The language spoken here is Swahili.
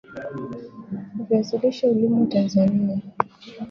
Viazi lishe hulimwa Tanzania